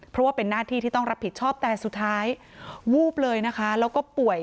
เพราะว่าเป็นหน้าที่ที่ต้องรับผิดชอบแต่สุดท้ายวูบเลยนะคะแล้วก็ป่วย